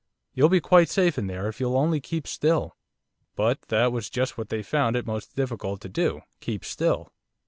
You'll be quite safe in there, if you'll only keep still.' But that was just what they found it most difficult to do keep still!